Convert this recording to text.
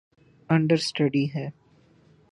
Industry ہے۔